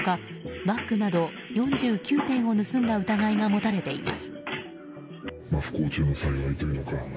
バッグなど４９点を盗んだ疑いが持たれています。